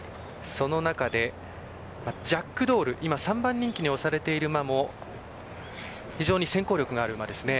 その中でジャックドール３番人気に推されている馬も非常に先行力のある馬ですね。